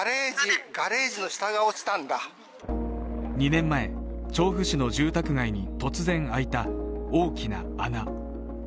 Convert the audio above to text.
２年前、調布市の住宅街に突然開いた大きな穴。